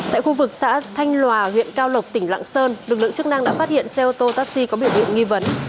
tại khu vực xã thanh lòa huyện cao lộc tỉnh lạng sơn lực lượng chức năng đã phát hiện xe ô tô taxi có biểu hiện nghi vấn